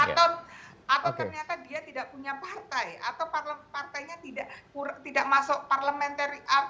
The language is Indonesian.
atau ternyata dia tidak punya partai atau partainya tidak masuk parliamentary up